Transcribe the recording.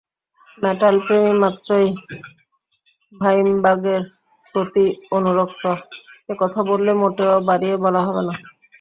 মেটালপ্রেমী মাত্রই ডাইমব্যাগের প্রতি অনুরক্ত—একথা বললে মোটেও বাড়িয়ে বলা হবে না।